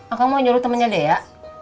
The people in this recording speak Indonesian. aku mau nyuruh temennya deh ya